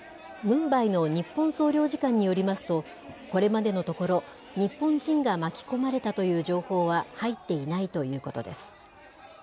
ムンバイの日本総領事館によりますと、これまでのところ、日本人が巻き込まれたという情報は入っていないということです。